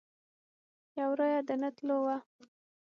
یو رایه د نه تلو وه.